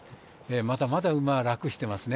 まだまだ馬は楽していますね。